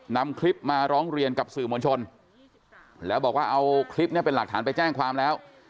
นำคลิปมาร้องเรียนกับสื่อมวลชนแล้วบอกว่าเอาคลิปนี้เป็นหลักฐานไปแจ้งความแล้ว